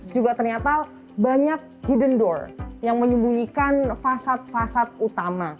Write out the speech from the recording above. juga ternyata banyak hidden door yang menyembunyikan fasad fasad utama